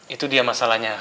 itu dia masalahnya